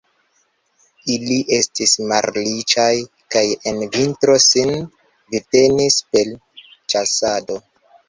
Ili estis malriĉaj kaj en vintro sin vivtenis per ĉasado.